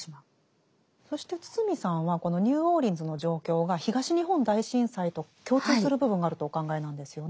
そして堤さんはこのニューオーリンズの状況が東日本大震災と共通する部分があるとお考えなんですよね。